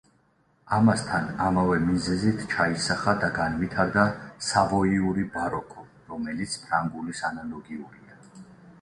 ამასთან ამავე მიზეზით ჩაისახა და განვითარდა სავოიური ბაროკო, რომელიც ფრანგულის ანალოგიურია.